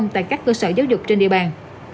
tại các cơ sở giáo dục trên địa bàn